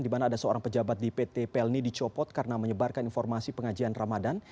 di mana ada seorang pejabat di pt pelni dicopot karena menyebarkan informasi pengajian ramadan